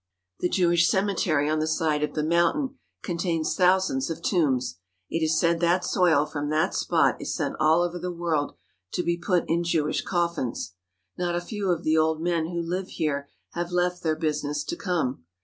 The Jewish cemetery on the side of the mountain contains thousands of tombs. It is said that soil from that spot is sent all over the world to be put in Jewish coffins. Not a few of the old men who live here have left their business to come.